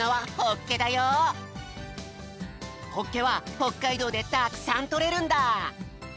いまほっけはほっかいどうでたくさんとれるんだ。